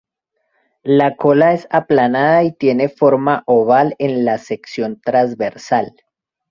La cola es aplanada y tiene forma oval en la sección trasversal.